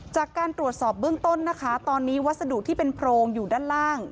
จากการตรวจสอบเบื้องต้นนะคะตอนนี้วัสดุที่เป็นโพรงอยู่ด้านล่าง